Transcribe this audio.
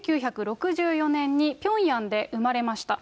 １９６４年にピョンヤンで生まれました。